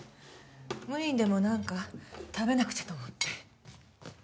無理にでもなんか食べなくちゃと思って。